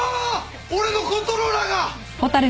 俺のコントローラーが！